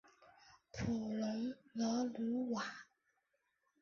普龙勒鲁瓦。